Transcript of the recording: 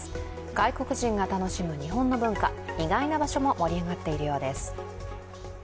外国人が楽しむ日本の文化、意外な場所も盛り上がっているようです。